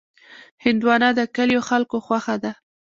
هندوانه د کلیو خلکو خوښه ده.